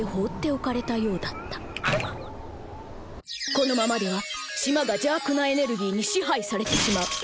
このままでは島が邪悪なエネルギーに支配されてしまう。